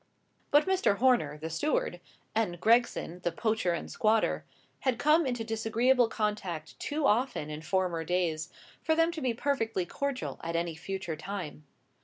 But Mr. Horner, the steward, and Gregson, the poacher and squatter, had come into disagreeable contact too often in former days for them to be perfectly cordial at any future time.